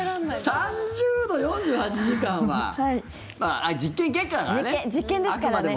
３０度、４８時間は実験結果だからね。